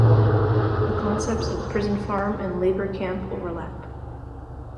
The concepts of prison farm and labor camp overlap.